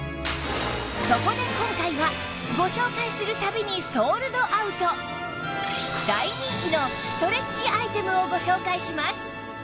そこで今回は大人気のストレッチアイテムをご紹介します